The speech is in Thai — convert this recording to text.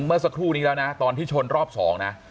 เมื่อสักครู่นี้แล้วนะตอนที่ชนรอบ๒นะ